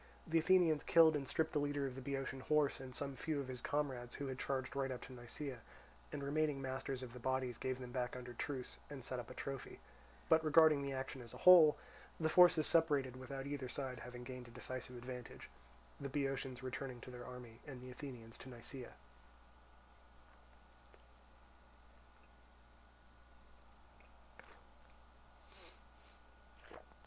The Athenians killed and stripped the leader of the Boeotian horse and some few of his comrades who had charged right up to Nisaea, and remaining masters of the bodies gave them back under truce, and set up a trophy; but regarding the action as a whole the forces separated without either side having gained a decisive advantage, the Boeotians returning to their army and the Athenians to Nisaea.